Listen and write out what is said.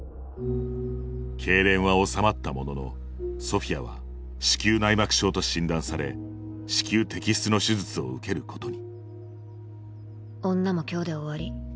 けいれんは治まったもののソフィアは子宮内膜症と診断され子宮摘出の手術を受けることに女も今日で終わり。